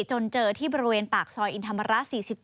จนเจอที่บริเวณปากซอยอินธรรมระ๔๗